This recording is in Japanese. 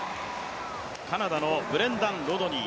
カナダのブレンダン・ロドニー。